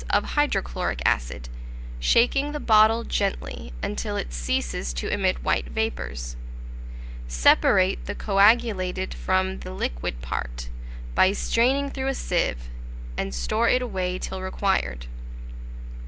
of hydrochloric acid, shaking the bottle gently until it ceases to emit white vapours; separate the coagulated from the liquid part, by straining through a sieve, and store it away till required.